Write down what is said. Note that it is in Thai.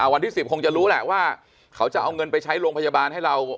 วันที่๑๐คงจะรู้แหละว่าเขาจะเอาเงินไปใช้โรงพยาบาลให้เรา